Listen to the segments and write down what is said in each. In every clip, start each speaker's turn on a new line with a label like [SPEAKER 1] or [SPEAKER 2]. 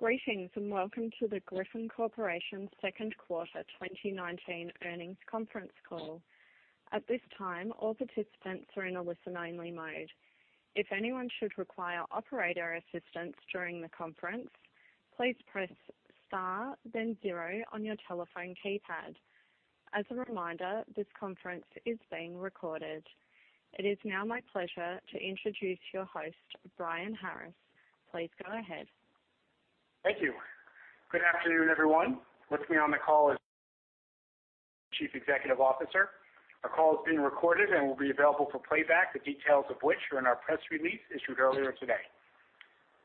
[SPEAKER 1] Greetings, welcome to the Griffon Corporation second quarter 2019 earnings conference call. At this time, all participants are in a listen-only mode. If anyone should require operator assistance during the conference, please press star then 0 on your telephone keypad. As a reminder, this conference is being recorded. It is now my pleasure to introduce your host, Brian Harris. Please go ahead.
[SPEAKER 2] Thank you. Good afternoon, everyone. With me on the call is Chief Executive Officer. Our call is being recorded and will be available for playback, the details of which are in our press release issued earlier today.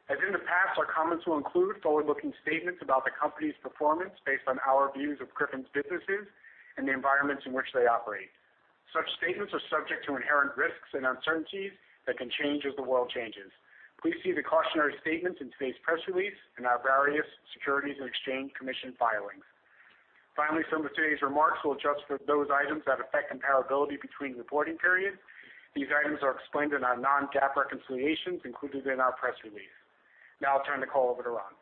[SPEAKER 2] As in the past, our comments will include forward-looking statements about the company's performance based on our views of Griffon's businesses and the environments in which they operate. Such statements are subject to inherent risks and uncertainties that can change as the world changes. Please see the cautionary statements in today's press release and our various Securities and Exchange Commission filings. Some of today's remarks will adjust for those items that affect comparability between reporting periods. These items are explained in our non-GAAP reconciliations included in our press release. I'll turn the call over to Ron.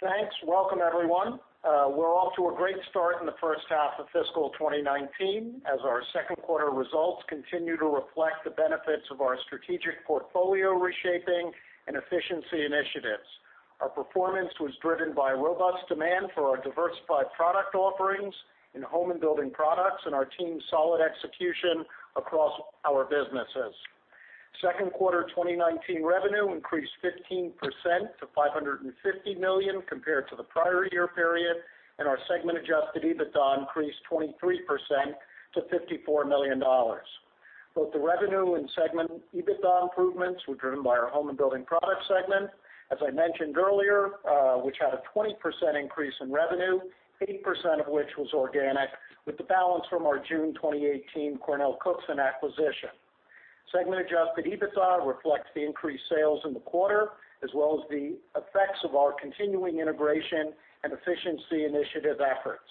[SPEAKER 3] Thanks. Welcome, everyone. We're off to a great start in the first half of fiscal 2019, as our second quarter results continue to reflect the benefits of our strategic portfolio reshaping and efficiency initiatives. Our performance was driven by robust demand for our diversified product offerings in Home and Building Products and our team's solid execution across our businesses. Second quarter 2019 revenue increased 15% to $550 million compared to the prior year period, our segment adjusted EBITDA increased 23% to $54 million. Both the revenue and segment EBITDA improvements were driven by our Home and Building Products segment, as I mentioned earlier, which had a 20% increase in revenue, 80% of which was organic, with the balance from our June 2018 CornellCookson acquisition. Segment adjusted EBITDA reflects the increased sales in the quarter, as well as the effects of our continuing integration and efficiency initiative efforts.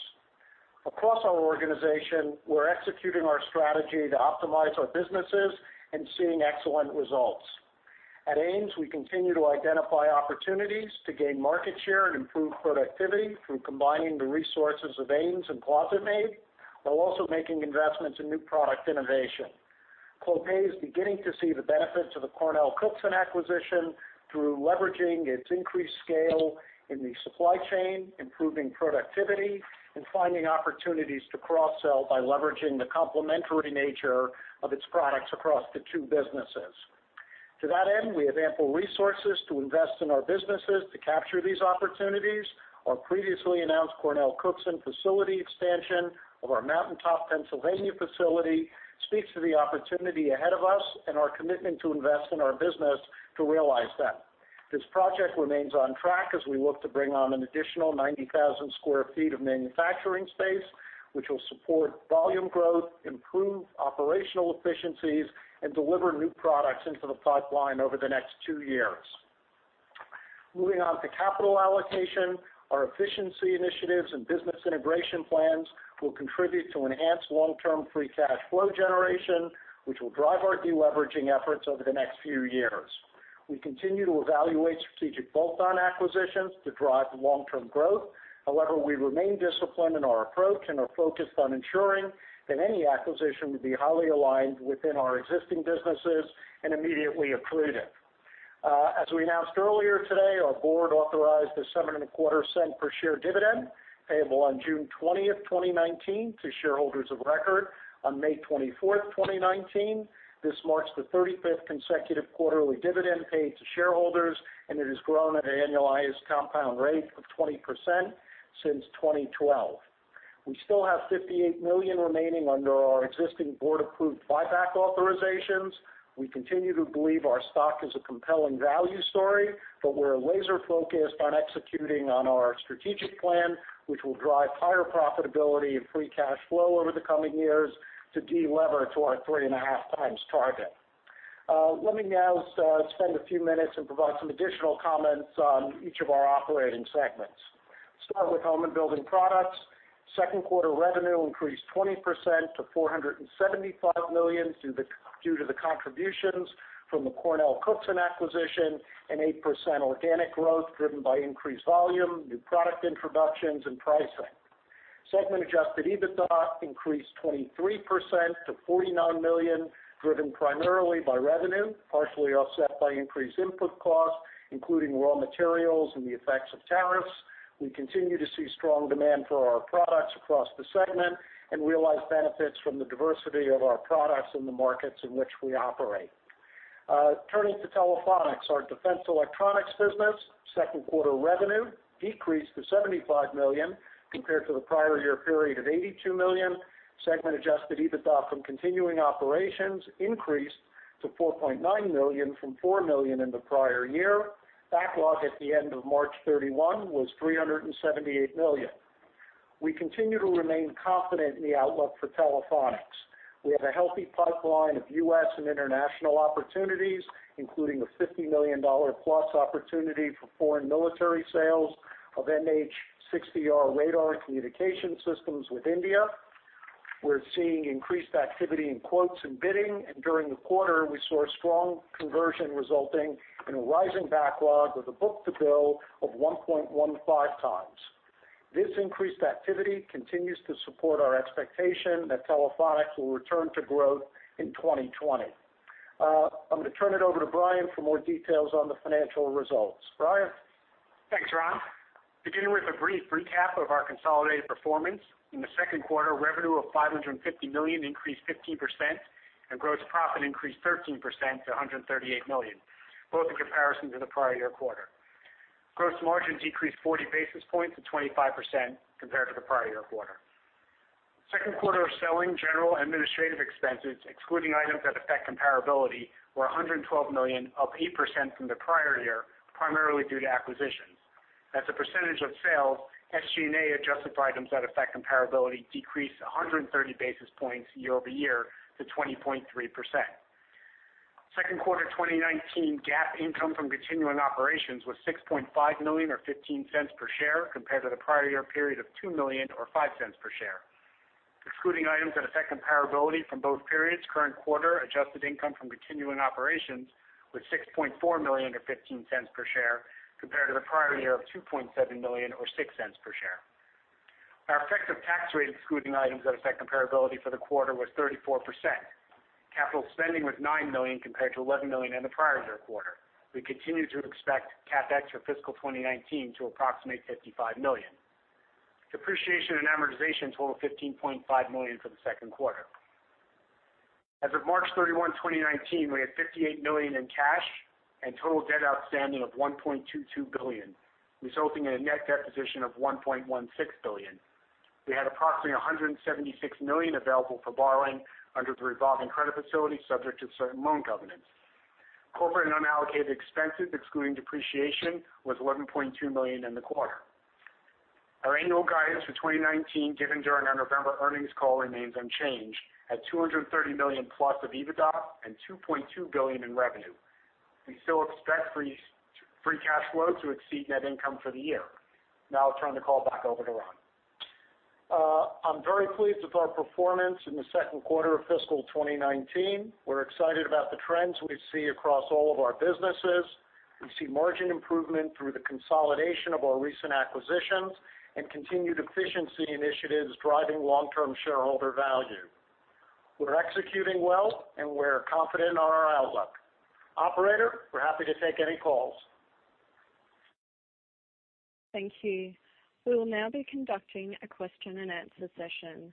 [SPEAKER 3] Across our organization, we're executing our strategy to optimize our businesses and seeing excellent results. At Ames, we continue to identify opportunities to gain market share and improve productivity through combining the resources of Ames and ClosetMaid, while also making investments in new product innovation. Clopay is beginning to see the benefits of the CornellCookson acquisition through leveraging its increased scale in the supply chain, improving productivity, and finding opportunities to cross-sell by leveraging the complementary nature of its products across the two businesses. To that end, we have ample resources to invest in our businesses to capture these opportunities. Our previously announced CornellCookson facility expansion of our Mountain Top, Pennsylvania facility speaks to the opportunity ahead of us and our commitment to invest in our business to realize that. This project remains on track as we look to bring on an additional 90,000 sq ft of manufacturing space, which will support volume growth, improve operational efficiencies, and deliver new products into the pipeline over the next two years. Moving on to capital allocation. Our efficiency initiatives and business integration plans will contribute to enhanced long-term free cash flow generation, which will drive our de-leveraging efforts over the next few years. We continue to evaluate strategic bolt-on acquisitions to drive long-term growth. However, we remain disciplined in our approach and are focused on ensuring that any acquisition would be highly aligned within our existing businesses and immediately accretive. As we announced earlier today, our board authorized a $0.0725 per share dividend payable on June 20, 2019, to shareholders of record on May 24, 2019. This marks the 35th consecutive quarterly dividend paid to shareholders. It has grown at an annualized compound rate of 20% since 2012. We still have $58 million remaining under our existing board-approved buyback authorizations. We continue to believe our stock is a compelling value story, but we're laser focused on executing on our strategic plan, which will drive higher profitability and free cash flow over the coming years to de-lever to our 3.5x target. Let me now spend a few minutes and provide some additional comments on each of our operating segments. Start with Home and Building Products. Second quarter revenue increased 20% to $475 million due to the contributions from the CornellCookson acquisition and 8% organic growth driven by increased volume, new product introductions, and pricing. Segment adjusted EBITDA increased 23% to $49 million, driven primarily by revenue, partially offset by increased input costs, including raw materials and the effects of tariffs. We continue to see strong demand for our products across the segment and realize benefits from the diversity of our products in the markets in which we operate. Turning to Telephonics, our defense electronics business second quarter revenue decreased to $75 million compared to the prior year period of $82 million. Segment adjusted EBITDA from continuing operations increased to $4.9 million from $4 million in the prior year. Backlog at the end of March 31 was $378 million. We continue to remain confident in the outlook for Telephonics. We have a healthy pipeline of U.S. and international opportunities, including a $50 million-plus opportunity for foreign military sales of MH-60R radar communication systems with India. We're seeing increased activity in quotes and bidding. During the quarter, we saw strong conversion resulting in a rising backlog with a book-to-bill of 1.15x. This increased activity continues to support our expectation that Telephonics will return to growth in 2020. I'm going to turn it over to Brian for more details on the financial results. Brian?
[SPEAKER 2] Thanks, Ron. Beginning with a brief recap of our consolidated performance. In the second quarter, revenue of $550 million increased 15%, and gross profit increased 13% to $138 million, both in comparison to the prior year quarter. Gross margin decreased 40 basis points to 25% compared to the prior year quarter. Second quarter selling, general, administrative expenses, excluding items that affect comparability, were $112 million, up 8% from the prior year, primarily due to acquisitions. As a percentage of sales, SG&A, adjusted for items that affect comparability, decreased 130 basis points year-over-year to 20.3%. Second quarter 2019 GAAP income from continuing operations was $6.5 million or $0.15 per share compared to the prior year period of $2 million or $0.05 per share. Excluding items that affect comparability from both periods, current quarter adjusted income from continuing operations was $6.4 million or $0.15 per share compared to the prior year of $2.7 million or $0.06 per share. Our effective tax rate, excluding items that affect comparability for the quarter, was 34%. Capital spending was $9 million compared to $11 million in the prior year quarter. We continue to expect CapEx for fiscal 2019 to approximate $55 million. Depreciation and amortization totaled $15.5 million for the second quarter. As of March 31, 2019, we had $58 million in cash and total debt outstanding of $1.22 billion, resulting in a net debt position of $1.16 billion. We had approximately $176 million available for borrowing under the revolving credit facility, subject to certain loan covenants. Corporate unallocated expenses, excluding depreciation, was $11.2 million in the quarter. Our annual guidance for 2019, given during our November earnings call, remains unchanged at $230 million plus of EBITDA and $2.2 billion in revenue. We still expect free cash flow to exceed net income for the year. I'll turn the call back over to Ron.
[SPEAKER 3] I'm very pleased with our performance in the second quarter of fiscal 2019. We're excited about the trends we see across all of our businesses. We see margin improvement through the consolidation of our recent acquisitions and continued efficiency initiatives driving long-term shareholder value. We're executing well, and we're confident on our outlook. Operator, we're happy to take any calls.
[SPEAKER 1] Thank you. We will now be conducting a question and answer session.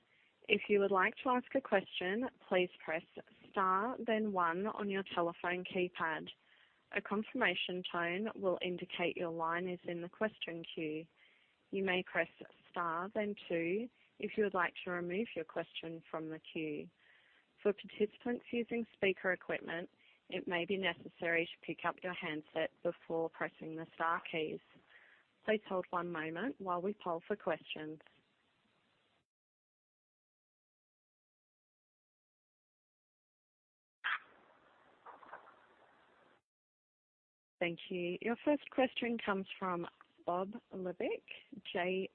[SPEAKER 1] If you would like to ask a question, please press star then one on your telephone keypad. A confirmation tone will indicate your line is in the question queue. You may press star then two if you would like to remove your question from the queue. For participants using speaker equipment, it may be necessary to pick up your handset before pressing the star keys. Please hold one moment while we poll for questions. Thank you. Your first question comes from Bob Labick, CJS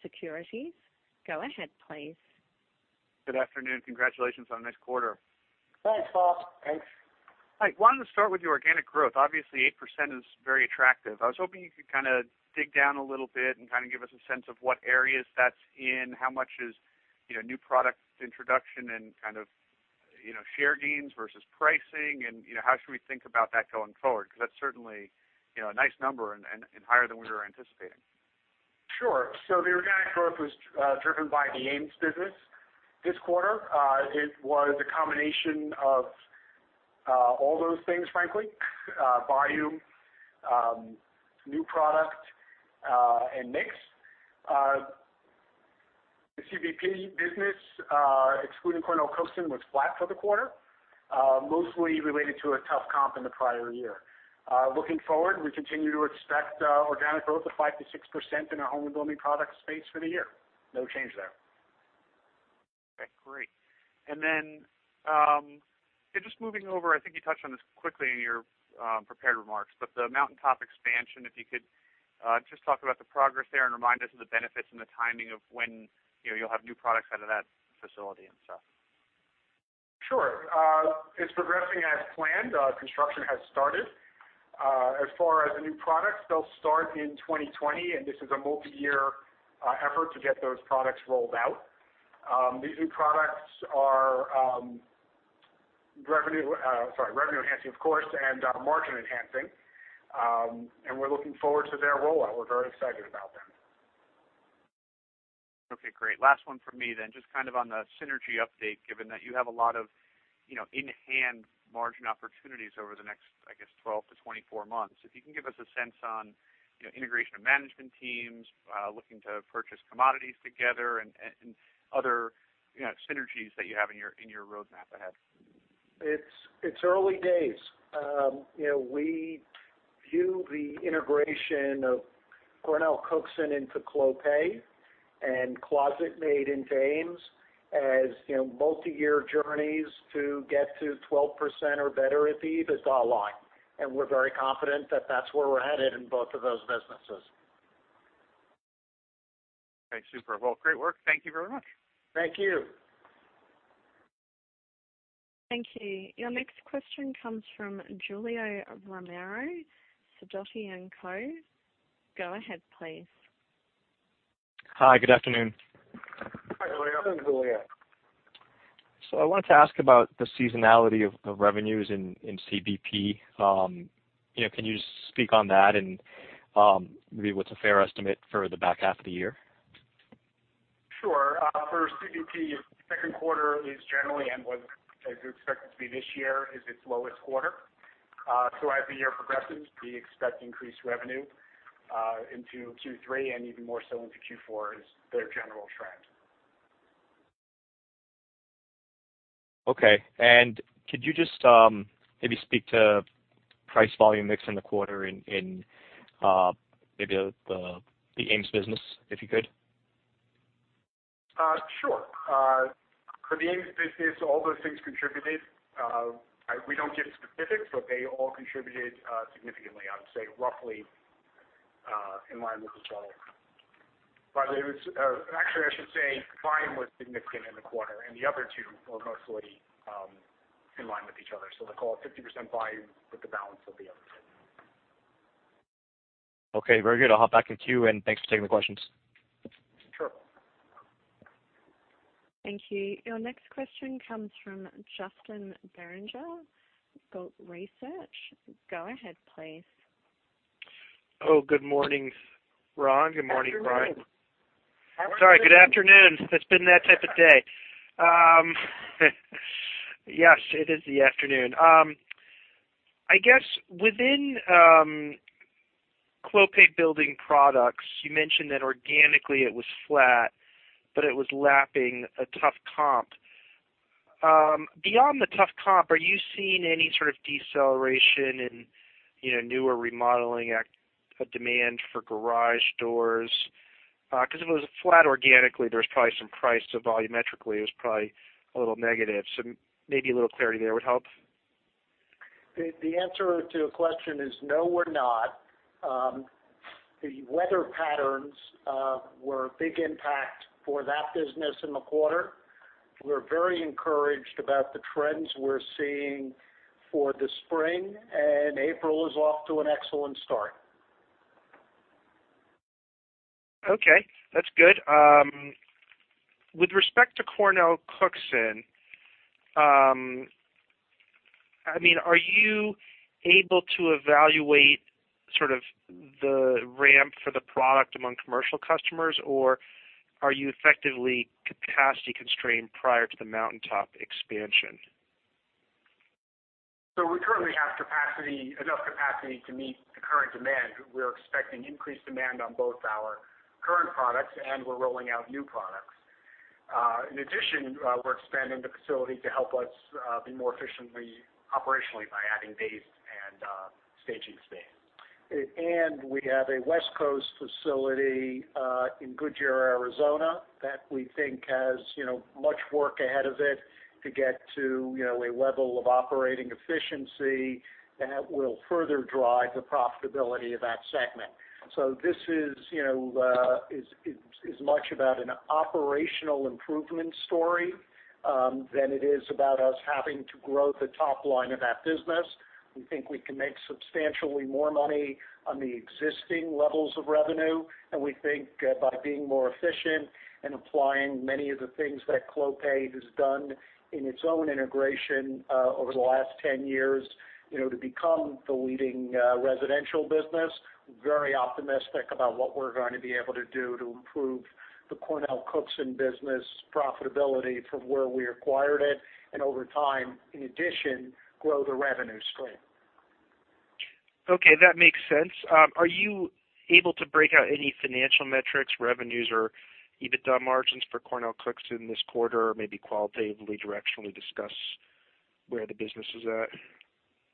[SPEAKER 1] Securities. Go ahead, please.
[SPEAKER 4] Good afternoon. Congratulations on a nice quarter.
[SPEAKER 3] Thanks, Bob.
[SPEAKER 2] Thanks.
[SPEAKER 4] I wanted to start with your organic growth. Obviously, 8% is very attractive. I was hoping you could dig down a little bit and give us a sense of what areas that's in, how much is new product introduction and share gains versus pricing and how should we think about that going forward? That's certainly a nice number and higher than we were anticipating.
[SPEAKER 2] Sure. The organic growth was driven by the Ames business this quarter. It was a combination of all those things, frankly, volume, new product, and mix. The CBP business, excluding CornellCookson, was flat for the quarter. Mostly related to a tough comp in the prior year. Looking forward, we continue to expect organic growth of 5%-6% in our Home and Building Products space for the year. No change there.
[SPEAKER 4] Okay, great. Just moving over, I think you touched on this quickly in your prepared remarks, but the Mountaintop expansion, if you could just talk about the progress there and remind us of the benefits and the timing of when you'll have new products out of that facility and stuff.
[SPEAKER 2] Sure. It's progressing as planned. Construction has started. As far as the new products, they'll start in 2020, and this is a multi-year effort to get those products rolled out. These new products are revenue-enhancing, of course, and margin-enhancing. We're looking forward to their rollout. We're very excited about them.
[SPEAKER 4] Okay, great. Last one from me then. Just on the synergy update, given that you have a lot of in-hand margin opportunities over the next, I guess, 12-24 months. If you can give us a sense on integration of management teams, looking to purchase commodities together, and other synergies that you have in your roadmap ahead.
[SPEAKER 3] It's early days. We view the integration of CornellCookson into Clopay and ClosetMaid into Ames as multiyear journeys to get to 12% or better EBIT is our line, and we're very confident that's where we're headed in both of those businesses.
[SPEAKER 4] Okay, super. Well, great work. Thank you very much.
[SPEAKER 3] Thank you.
[SPEAKER 1] Thank you. Your next question comes from Julio Romero, Sidoti & Co. Go ahead, please.
[SPEAKER 5] Hi. Good afternoon.
[SPEAKER 3] Hi, Julio.
[SPEAKER 2] Hi, Julio.
[SPEAKER 5] I wanted to ask about the seasonality of revenues in CBP. Can you just speak on that and maybe what's a fair estimate for the back half of the year?
[SPEAKER 2] Sure. For CBP, second quarter is generally, and what is expected to be this year, is its lowest quarter. Throughout the year progressive, we expect increased revenue into Q3 and even more so into Q4 as their general trend.
[SPEAKER 5] Okay. Could you just maybe speak to price volume mix in the quarter in maybe the Ames business, if you could?
[SPEAKER 2] Sure. For the Ames business, all those things contributed. We don't give specifics, but they all contributed significantly, I would say roughly in line with the total. Actually, I should say volume was significant in the quarter, and the other two were mostly in line with each other. They call it 50% volume, but the balance of the other two.
[SPEAKER 5] Okay, very good. I'll hop back in queue, thanks for taking the questions.
[SPEAKER 2] Sure.
[SPEAKER 1] Thank you. Your next question comes from Justin Bergner, Galt Research. Go ahead, please.
[SPEAKER 6] Oh, good morning, Ron. Good morning, Brian.
[SPEAKER 3] Afternoon.
[SPEAKER 6] Sorry. Good afternoon. It's been that type of day. Yes, it is the afternoon. I guess within Clopay Building Products, you mentioned that organically it was flat, but it was lapping a tough comp. Beyond the tough comp, are you seeing any sort of deceleration in newer remodeling demand for garage doors? If it was flat organically, there's probably some price to volumetrically is probably a little negative. Maybe a little clarity there would help.
[SPEAKER 3] The answer to your question is no, we're not. The weather patterns were a big impact for that business in the quarter. We're very encouraged about the trends we're seeing for the spring, and April is off to an excellent start.
[SPEAKER 6] Okay, that's good. With respect to CornellCookson, are you able to evaluate sort of the ramp for the product among commercial customers, or are you effectively capacity constrained prior to the mountaintop expansion?
[SPEAKER 2] We currently have enough capacity to meet the current demand. We're expecting increased demand on both our current products, and we're rolling out new products. In addition, we're expanding the facility to help us be more efficient operationally by adding base and staging space.
[SPEAKER 3] We have a West Coast facility in Goodyear, Arizona, that we think has much work ahead of it to get to a level of operating efficiency that will further drive the profitability of that segment. This is much about an operational improvement story than it is about us having to grow the top line of that business. We think we can make substantially more money on the existing levels of revenue, and we think by being more efficient and applying many of the things that Clopay has done in its own integration over the last 10 years to become the leading residential business, we are very optimistic about what we're going to be able to do to improve the CornellCookson business profitability from where we acquired it and over time, in addition, grow the revenue stream.
[SPEAKER 6] Okay, that makes sense. Are you able to break out any financial metrics, revenues, or EBITDA margins for CornellCookson this quarter, or maybe qualitatively directionally discuss where the business is at?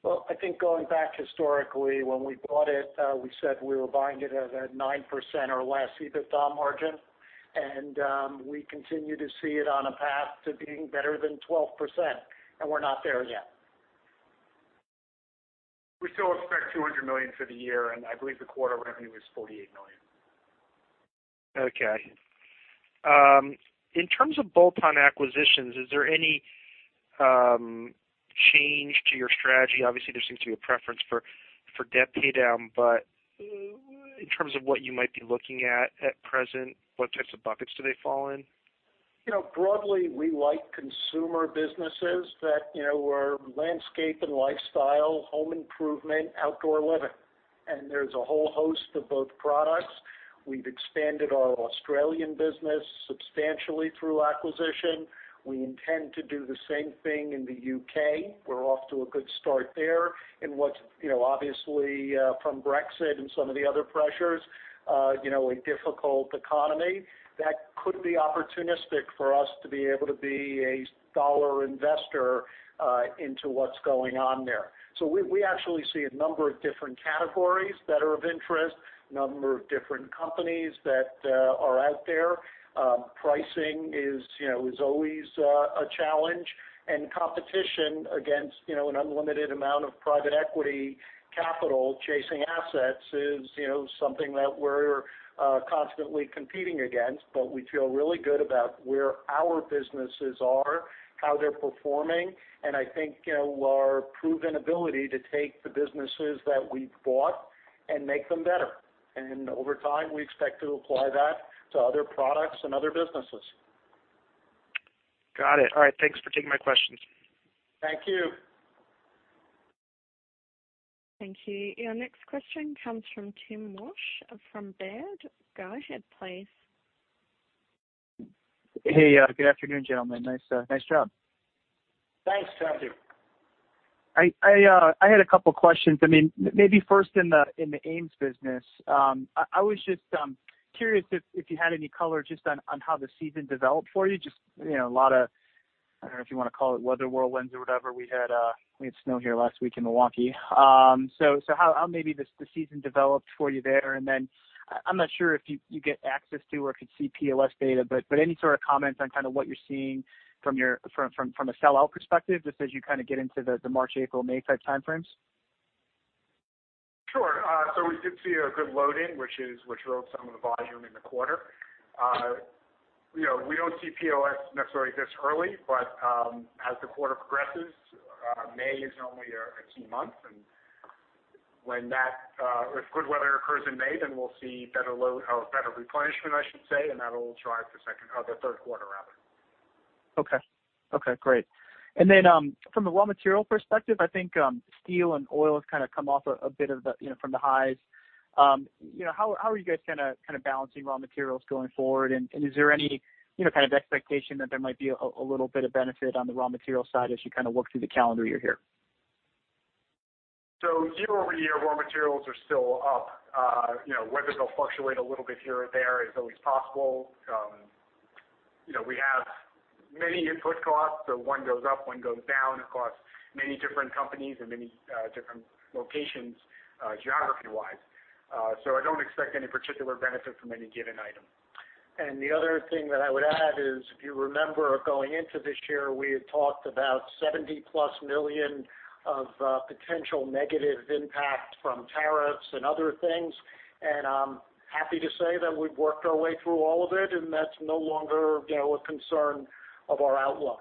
[SPEAKER 3] Well, I think going back historically, when we bought it, we said we were buying it at a 9% or less EBITDA margin, and we continue to see it on a path to being better than 12%, and we're not there yet.
[SPEAKER 2] We still expect $200 million for the year, and I believe the quarter revenue is $48 million.
[SPEAKER 6] Okay. In terms of bolt-on acquisitions, is there any change to your strategy? Obviously, there seems to be a preference for debt paydown, but in terms of what you might be looking at at present, what types of buckets do they fall in?
[SPEAKER 3] Broadly, we like consumer businesses that were landscape and lifestyle, home improvement, outdoor living. There's a whole host of both products. We've expanded our Australian business substantially through acquisition. We intend to do the same thing in the U.K. We're off to a good start there in what's, obviously from Brexit and some of the other pressures, a difficult economy. That could be opportunistic for us to be able to be a dollar investor into what's going on there. We actually see a number of different categories that are of interest, a number of different companies that are out there. Pricing is always a challenge and competition against an unlimited amount of private equity capital chasing assets is something that we're constantly competing against, but we feel really good about where our businesses are, how they're performing, and I think our proven ability to take the businesses that we've bought and make them better. Over time, we expect to apply that to other products and other businesses.
[SPEAKER 6] Got it. All right, thanks for taking my questions.
[SPEAKER 3] Thank you.
[SPEAKER 1] Thank you. Your next question comes from Tim Wojs from Baird. Go ahead, please.
[SPEAKER 7] Hey, good afternoon, gentlemen. Nice job.
[SPEAKER 3] Thanks, Tim.
[SPEAKER 7] I had a couple questions. Maybe first in the Ames business. I was just curious if you had any color just on how the season developed for you. Just a lot of, I don't know if you want to call it weather whirlwinds or whatever, we had snow here last week in Milwaukee. How maybe the season developed for you there, and then I'm not sure if you get access to or can see POS data, but any sort of comments on what you're seeing from a sell-out perspective, just as you get into the March, April, May type time frames?
[SPEAKER 2] Sure. We did see a good load-in, which rode some of the volume in the quarter. We don't see POS necessarily this early, but as the quarter progresses, May is only a key month. If good weather occurs in May, then we'll see better load or better replenishment, I should say, and that'll drive the third quarter.
[SPEAKER 7] Okay. Great. From the raw material perspective, I think steel and oil has come off a bit from the highs. How are you guys balancing raw materials going forward? Is there any kind of expectation that there might be a little bit of benefit on the raw material side as you work through the calendar year here?
[SPEAKER 2] Year-over-year, raw materials are still up. Whether they'll fluctuate a little bit here or there is always possible. We have many input costs. One goes up, one goes down across many different companies and many different locations geography-wise. I don't expect any particular benefit from any given item.
[SPEAKER 3] The other thing that I would add is, if you remember going into this year, we had talked about $70+ million of potential negative impact from tariffs and other things. I'm happy to say that we've worked our way through all of it. That's no longer a concern of our outlook.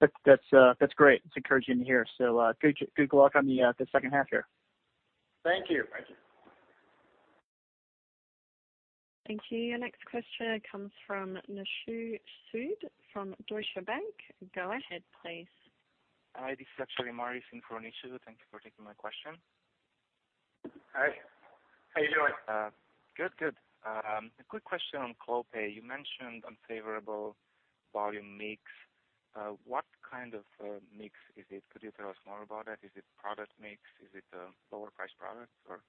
[SPEAKER 7] That's great. That's encouraging to hear. Good luck on the second half here.
[SPEAKER 3] Thank you.
[SPEAKER 1] Thank you. Thank you. Your next question comes from Nishu Sood from Deutsche Bank. Go ahead, please.
[SPEAKER 8] Hi, this is actually Maurice in for Nishu. Thank you for taking my question.
[SPEAKER 3] Hi. How you doing?
[SPEAKER 8] Good. A quick question on Clopay. You mentioned unfavorable volume mix. What kind of mix is it? Could you tell us more about that? Is it product mix? Is it lower priced products or?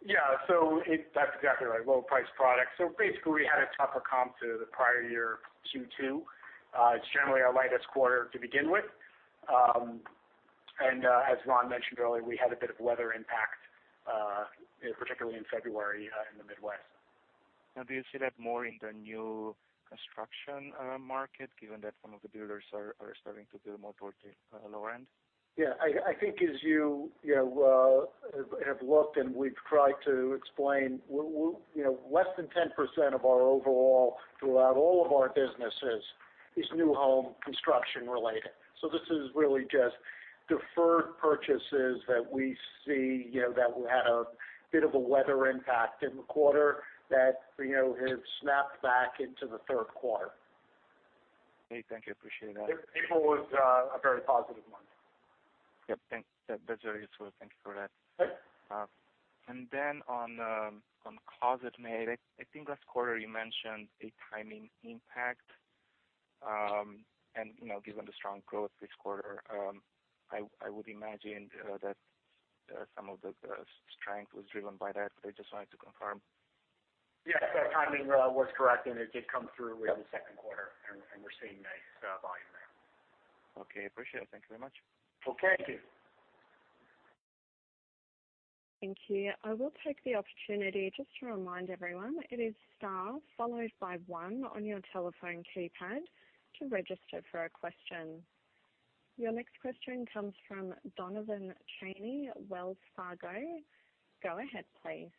[SPEAKER 2] Yeah, that's exactly right, lower priced products. Basically, we had a tougher comp to the prior year Q2. As Ron mentioned earlier, we had a bit of weather impact, particularly in February in the Midwest.
[SPEAKER 8] Do you see that more in the new construction market, given that some of the builders are starting to build more toward the lower end?
[SPEAKER 3] Yeah, I think as you have looked and we've tried to explain, less than 10% of our overall, throughout all of our businesses, is new home construction related. This is really just deferred purchases that we see that we had a bit of a weather impact in the quarter that has snapped back into the third quarter.
[SPEAKER 8] Okay. Thank you. Appreciate that.
[SPEAKER 2] April was a very positive month.
[SPEAKER 8] Yep. That's very useful. Thank you for that.
[SPEAKER 2] Yep.
[SPEAKER 8] On ClosetMaid, I think last quarter you mentioned a timing impact. Given the strong growth this quarter, I would imagine that some of the strength was driven by that, but I just wanted to confirm.
[SPEAKER 2] Yes, the timing was correct, and it did come through in the second quarter, and we're seeing nice volume now.
[SPEAKER 8] Okay, appreciate it. Thank you very much.
[SPEAKER 2] Okay.
[SPEAKER 3] Thank you.
[SPEAKER 1] Thank you. I will take the opportunity just to remind everyone, it is star followed by one on your telephone keypad to register for a question. Your next question comes from Truman Patterson, Wells Fargo. Go ahead, please.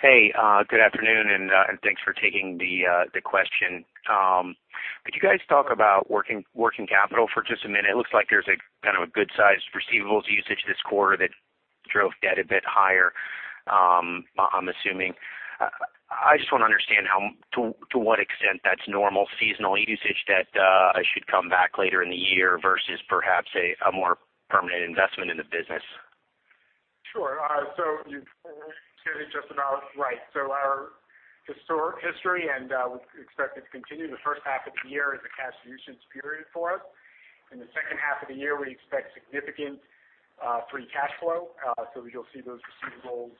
[SPEAKER 9] Hey, good afternoon, thanks for taking the question. Could you guys talk about working capital for just a minute? It looks like there's a good sized receivables usage this quarter that drove debt a bit higher, I'm assuming. I just want to understand to what extent that's normal seasonal usage that should come back later in the year versus perhaps a more permanent investment in the business.
[SPEAKER 2] Sure. You've hit it just about right. Our history, and we expect it to continue, the first half of the year is a cash usage period for us. In the second half of the year, we expect significant free cash flow. You'll see those receivables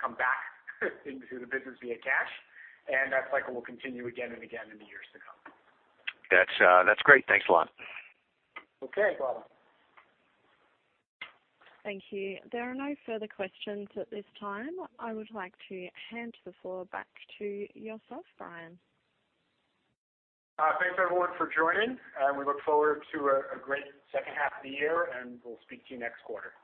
[SPEAKER 2] come back into the business via cash, and that cycle will continue again and again in the years to come.
[SPEAKER 9] That's great. Thanks a lot.
[SPEAKER 3] Okay.
[SPEAKER 2] No problem.
[SPEAKER 1] Thank you. There are no further questions at this time. I would like to hand the floor back to yourself, Brian.
[SPEAKER 2] Thanks, everyone, for joining. We look forward to a great second half of the year, and we'll speak to you next quarter.